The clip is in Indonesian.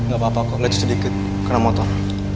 gak apa apa kok match sedikit kena motor